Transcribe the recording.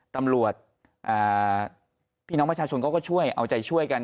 ตำรวจพี่น้องประชาชนเขาก็ช่วยเอาใจช่วยกัน